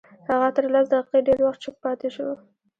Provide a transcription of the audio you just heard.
هغه تر لس دقيقې ډېر وخت چوپ پاتې شو.